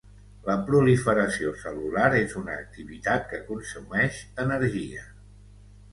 La proliferació cel·lular és una activitat que consumeix energia.